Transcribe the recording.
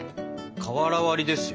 瓦割りですよ。